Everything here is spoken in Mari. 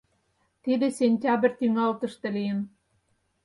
...Тиде сентябрь тӱҥалтыште лийын.